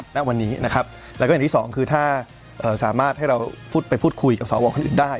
ณวันนี้นะครับแล้วก็อย่างที่สองคือถ้าสามารถให้เราไปพูดคุยกับสวคนอื่นได้